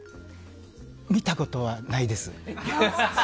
見たことはないです。